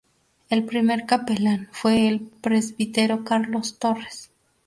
El primer Capellán fue el Presbítero Carlos Torres.